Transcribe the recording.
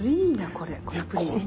このプリン。